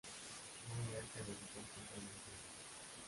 Müller se dedicó intensamente al estudio.